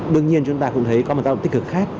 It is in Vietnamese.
đương nhiên chúng ta cũng thấy có một tác động tích cực khác